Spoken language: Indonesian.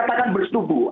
yang dikatakan bersetubuh